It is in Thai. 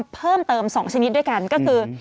เพิ่มเติม๒ชนิดด้วยกันก็คือ